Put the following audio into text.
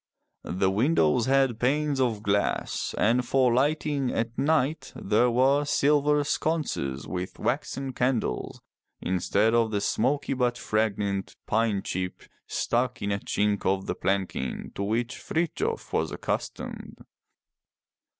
The windows had panes of glass, and for lighting at night there were silver sconces with waxen candles instead of the smoky but fragrant pine chip stuck in a chink of the planking to which Frithjof was accustomed.